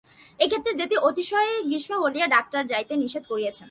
এক্ষণে দেশে অতিশয় গ্রীষ্ম বলিয়া ডাক্তার যাইতে নিষেধ করিতেছেন।